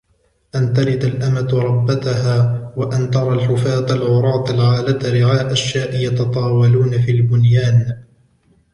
أَنْ تَلِدَ الأَمَةُ رَبَّتَهَا، وَأَنْ تَرَى الْحُفَاةَ الْعُرَاةَ الْعَالَةَ رِعَاءَ الشَّاءِ، يَتَطاوَلُونَ فِي الْبُنْيَانِ